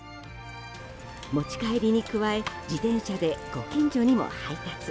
持ち帰りに加え自転車で、ご近所にも配達。